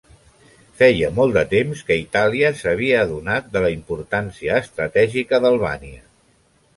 Feia molt de temps que Itàlia s'havia adonat de la importància estratègica d'Albània.